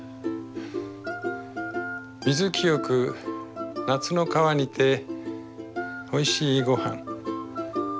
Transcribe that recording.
「水清く夏の川にておいしいごはん」。